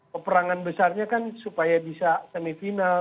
pemperangan besarnya kan supaya bisa semisional